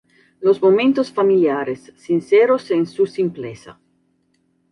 Los momentos familiares, sinceros en su simpleza.